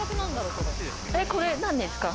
これなんですか？